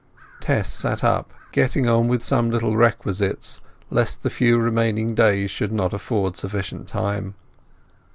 Tess sat up getting on with some little requisites, lest the few remaining days should not afford sufficient time.